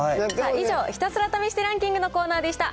以上、ひたすら試してランキングのコーナーでした。